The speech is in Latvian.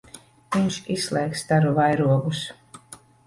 Viņš izslēgs staru vairogus.